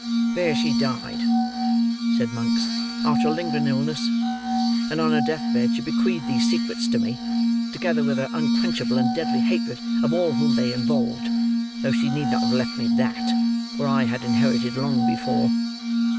"There she died," said Monks, "after a lingering illness; and, on her death bed, she bequeathed these secrets to me, together with her unquenchable and deadly hatred of all whom they involved—though she need not have left me that, for I had inherited it long before.